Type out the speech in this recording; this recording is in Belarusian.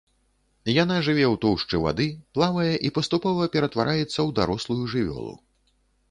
Яна жыве ў тоўшчы вады, плавае і паступова ператвараецца ў дарослую жывёлу.